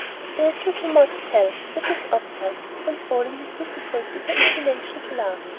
"There is little more to tell," said Miss Opdyke, controlling with difficulty her inclination to laugh.